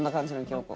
京子。